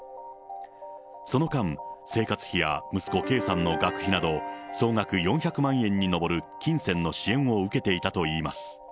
その間、生活費や息子、圭さんの学費など、総額４００万円に上る金銭の支援を受けていたといいます。